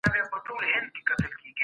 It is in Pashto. نظري پوښتنې په حقیقت کې د پوهې اساس دی.